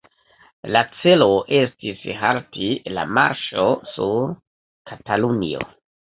La celo estis halti la marŝo sur Katalunio.